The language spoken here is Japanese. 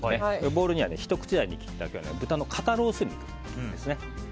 ボウルには、ひと口大に切った豚の方ロース肉ですね。